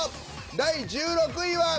第１６位は。